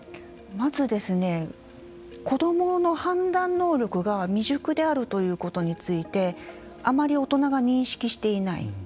まず、子どもの判断能力が未熟であるということについてあまり大人が認識していない。